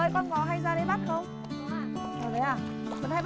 cho vào đây cho vào đây